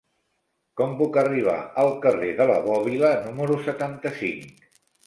Com puc arribar al carrer de la Bòbila número setanta-cinc?